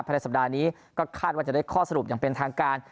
ในสัปดาห์นี้ก็คาดว่าจะได้ข้อสรุปอย่างเป็นทางการ